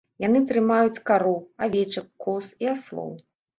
Яны трымаюць кароў, авечак, коз і аслоў.